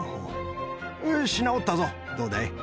よし直ったぞどうだい？